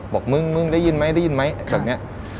บอกมึงได้ยินไหมจากนี้